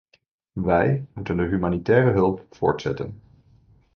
Wij moeten de humanitaire hulp voortzetten.